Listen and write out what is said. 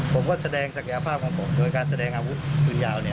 ผมก็แสดงศักยภาพของผมโดยการแสดงอาวุธปืนยาว